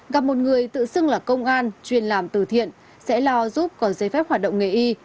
gặp một người tự xưng là công an chuyên làm từ thiện sẽ lo giúp có giấy phép hoạt động nghề y